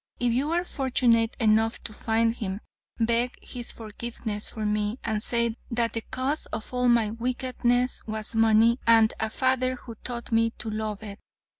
"'If you are fortunate enough to find him, beg his forgiveness for me, and say that the cause of all my wickedness was money, and a father who taught me to love it.